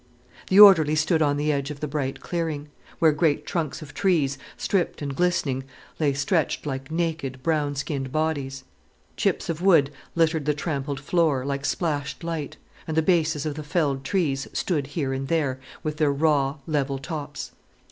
The orderly stood on the edge of the bright clearing, where great trunks of trees, stripped and glistening, lay stretched like naked, brown skinned bodies. Chips of wood littered the trampled floor, like splashed light, and the bases of the felled trees stood here and there, with their raw, level tops.